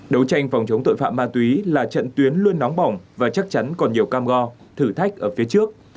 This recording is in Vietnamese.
đấu tranh phòng chống tội phạm ma túy là trận tuyến luôn nóng bỏng và chắc chắn còn nhiều cam go thử thách ở phía trước